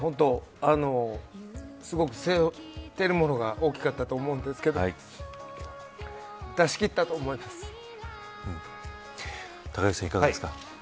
すごく背負っているものが大きかったと思うんですけど隆行さん、いかがですか。